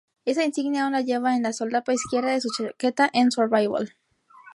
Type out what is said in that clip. Esa insignia aún la lleva en la solapa izquierda de su chaqueta en "Survival".